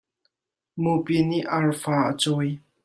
Mupi nih arfa a cawi.